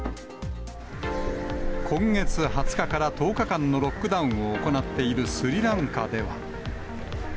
今月２０日から１０日間のロックダウンを行っているスリランカでは。